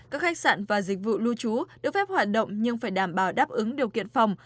các khách sạn và dịch vụ lưu trú được phép hoạt động nhưng phải đảm bảo đáp ứng điều kiện phòng